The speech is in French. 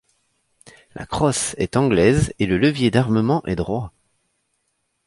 La crosse est anglaise et le levier d'armement est droit.